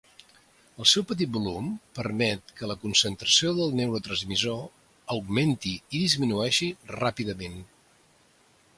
El seu petit volum permet que la concentració del neurotransmissor augmenti i disminueixi ràpidament.